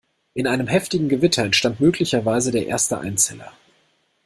In einem heftigen Gewitter entstand möglicherweise der erste Einzeller.